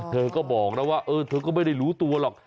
เธอก็บอกนะว่าเธอก็ไม่ได้รู้ตัวหรอก